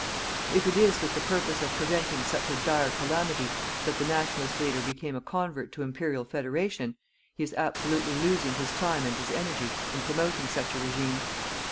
If it is with the purpose of preventing such a dire calamity that the Nationalist leader became a convert to Imperial Federation, he is absolutely losing his time and his energy in promoting such a regime.